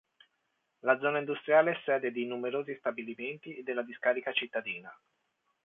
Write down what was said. La zona industriale è sede di numerosi stabilimenti e della discarica cittadina.